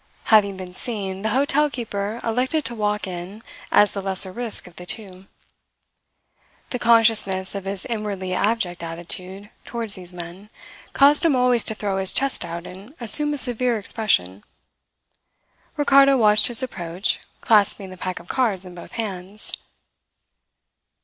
Having been seen, the hotel keeper elected to walk in as the lesser risk of the two. The consciousness of his inwardly abject attitude towards these men caused him always to throw his chest out and assume a severe expression. Ricardo watched his approach, clasping the pack of cards in both hands.